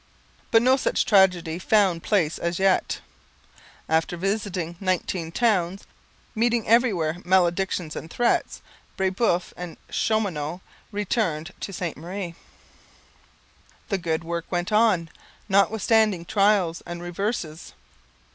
But no such tragedy found place as yet. After visiting nineteen towns, meeting everywhere maledictions and threats, Brebeuf and Chaumonot returned to Ste Marie. The good work went on, notwithstanding trials and reverses.